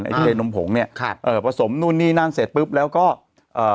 ไอเคนมผงเนี้ยครับเอ่อผสมนู่นนี่นั่นเสร็จปุ๊บแล้วก็เอ่อ